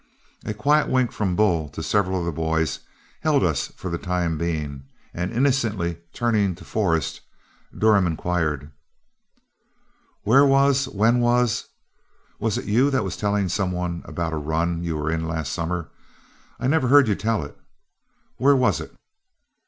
A quiet wink from Bull to several of the boys held us for the time being, and innocently turning to Forrest, Durham inquired, "Where was when was was it you that was telling some one about a run you were in last summer? I never heard you tell it. Where was it?"